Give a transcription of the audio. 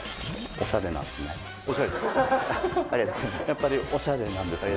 やっぱりおしゃれなんですね。